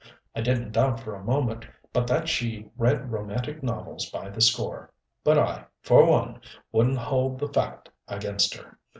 I didn't doubt for a moment but that she read romantic novels by the score, but I, for one, wouldn't hold the fact against her.